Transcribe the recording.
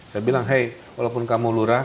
saya bilang hei walaupun kamu lurah